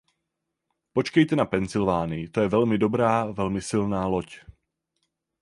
Počkejte na Pensylvánii, to je velmi dobrá, velmi silná loď.